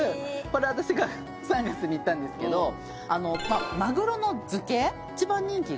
これ私が３月に行ったんですけどあのマグロの漬け？